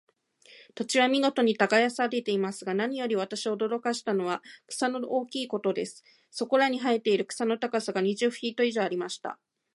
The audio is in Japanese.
土地は見事に耕されていますが、何より私を驚かしたのは、草の大きいことです。そこらに生えている草の高さが、二十フィート以上ありました。